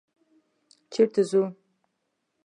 _چېرته ځو؟